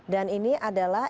dan ini adalah